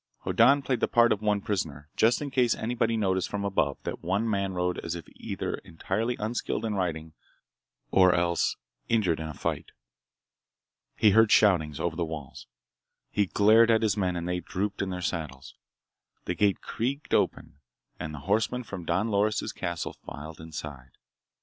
Hoddan played the part of one prisoner, just in case anybody noticed from above that one man rode as if either entirely unskilled in riding or else injured in a fight. He heard shoutings, over the walls. He glared at his men and they drooped in their saddles. The gate creaked open and the horsemen from Don Loris' castle filed inside.